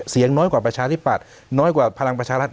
น้อยกว่าประชาธิปัตย์น้อยกว่าพลังประชารัฐ